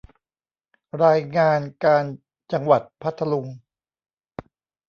รายงานการจังหวัดพัทลุง